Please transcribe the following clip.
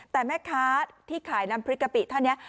แต่แม่ค้าที่ขายน้ำพริกกะปิท่านนี้